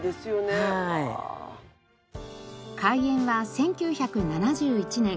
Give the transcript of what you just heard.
開園は１９７１年。